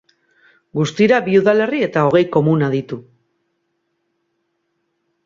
Guztira bi udalerri eta hogei komuna ditu.